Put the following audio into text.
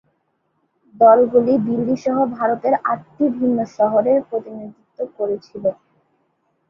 দলগুলি দিল্লি সহ ভারতের আটটি ভিন্ন শহরের প্রতিনিধিত্ব করেছিল।